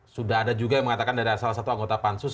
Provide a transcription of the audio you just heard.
sudah ada juga yang mengatakan dari salah satu anggota pansus